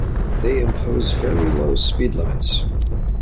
They impose very low speed limits.